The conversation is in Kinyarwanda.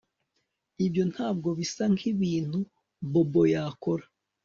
Ibyo ntabwo bisa nkibintu Bobo yakora